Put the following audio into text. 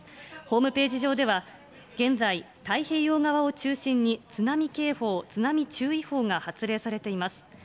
ホームページ上では、現在、太平洋側を中心に津波警報、津波注意報が発令されています。